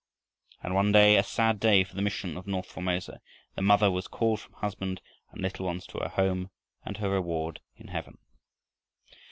And one day, a sad day for the mission of north Formosa, the mother was called from husband and little ones to her home and her reward in heaven.